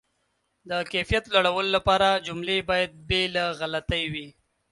د کیفیت لوړولو لپاره، جملې باید بې له غلطۍ وي.